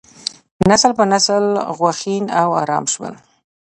نسل په نسل غوښین او ارام شول.